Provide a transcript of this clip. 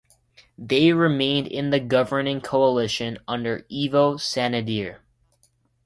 They remained in the governing coalition under Ivo Sanader.